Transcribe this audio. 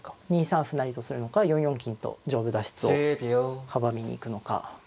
２三歩成とするのか４四金と上部脱出を阻みに行くのか。